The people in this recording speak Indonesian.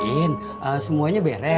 masih ada pedulisan makna